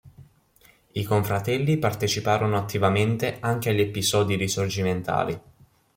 I confratelli parteciparono attivamente anche agli episodi risorgimentali.